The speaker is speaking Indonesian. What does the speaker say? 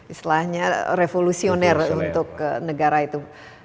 istilahnya revolusioner untuk negara itu